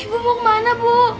bu ibu mau kemana bu